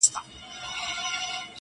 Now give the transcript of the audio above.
• نه ماتېږي مي هیڅ تنده بې له جامه,